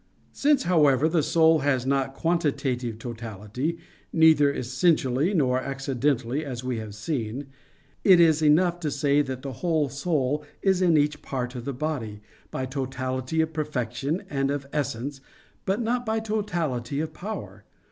Since, however, the soul has not quantitative totality, neither essentially, nor accidentally, as we have seen; it is enough to say that the whole soul is in each part of the body, by totality of perfection and of essence, but not by totality of power.